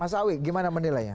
mas awi gimana menilainya